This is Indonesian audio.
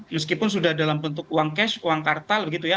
meskipun sudah dalam bentuk uang cash uang kartal begitu ya